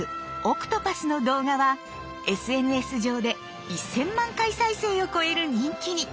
「海蛸子」の動画はＳＮＳ上で１，０００万回再生を超える人気に。